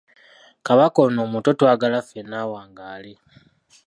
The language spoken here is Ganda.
Kabaka ono omuto twagala ffenna awangaale.